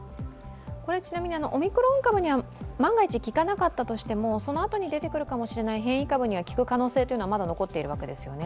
ちなみにオミクロン株に万が一効かなかったとしてもそのあとに出てくるかもしれない変異株には効く可能性はまだ残っているわけですよね。